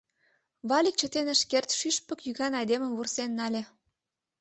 Валик чытен ыш керт, шӱшпык йӱкан айдемым вурсен нале: